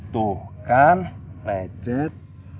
tuh kan lecet